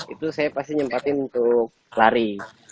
itu saya pasti nyempatin untuk lari